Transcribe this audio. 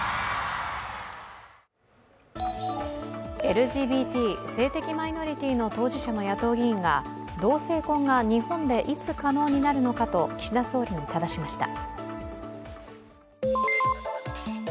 ＬＧＢＴ＝性的マイノリティーの当事者の野党議員が同性婚が日本でいつ可能になるのかと岸田総理にただしました。